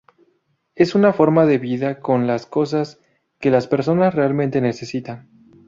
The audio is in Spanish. Es una forma de vida con las cosas que las personas realmente necesitan.